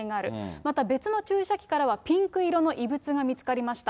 また別の注射器からはピンク色の異物が見つかりました。